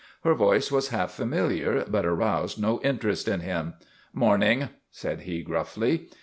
Her voice was half familiar but aroused no inter est in him. " Morning," said he, gruffly.